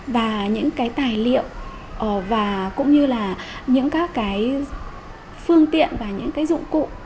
và những cái tài liệu và cũng như là những các cái phương tiện và những cái dụng cụ